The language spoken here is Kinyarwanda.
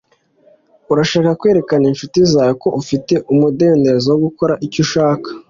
urashaka kwereka incuti zawe ko ufite umudendezo wo gukora icyo ushaka